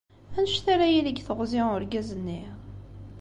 Anect ara yili deg teɣzi urgaz-nni?